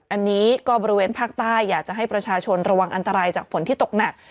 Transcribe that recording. อันนี้ก็บริเวณภาคใต้อยากจะให้ประชาชนระวังอันตรายจากฝนที่ตกหนัก